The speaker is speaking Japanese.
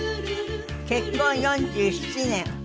結婚４７年。